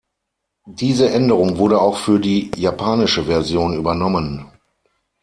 Diese Änderung wurde auch für die japanische Version übernommen.